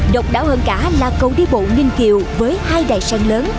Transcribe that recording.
độc đảo hơn cả là câu đi bộ ninh kiều với hai đài sân lớn